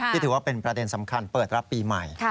ถือว่าเป็นประเด็นสำคัญเปิดรับปีใหม่